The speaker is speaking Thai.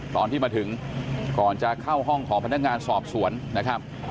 ตอนที่มาถึงก่อนจะเข้าห้องของพนักงานสอบสวนนะครับ